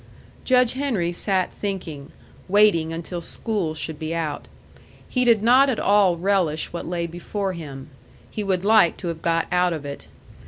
Judge Henry sat thinking, waiting until school should be out. He did not at all relish what lay before him. He would like to have got out of it.